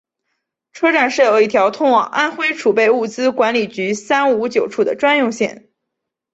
车站设有一条通往安徽储备物资管理局三五九处的专用线。